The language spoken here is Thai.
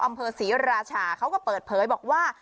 อำเภอศรีราชาเขาก็เปิดเผยบอกว่า